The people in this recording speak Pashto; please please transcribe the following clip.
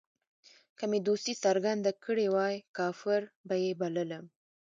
که مې دوستي څرګنده کړې وای کافر به یې بللم.